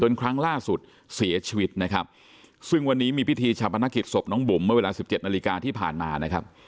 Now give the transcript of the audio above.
ครั้งล่าสุดเสียชีวิตนะครับซึ่งวันนี้มีพิธีชาปนกิจศพน้องบุ๋มเมื่อเวลาสิบเจ็ดนาฬิกาที่ผ่านมานะครับ